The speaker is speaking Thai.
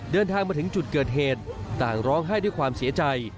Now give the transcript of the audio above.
เดินทางมาถึงจุดเกิดเหตุต่างร้องไห้ด้วยความเสียใจ